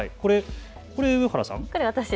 これ、上原さん。